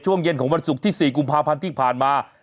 ช่วงเย็นของวันศุกร์ที่๔กุมภาพันธ์ที่ผ่านมา